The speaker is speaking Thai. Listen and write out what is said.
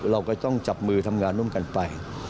เราก็ต้องจับมือทำงานร่วมกันไป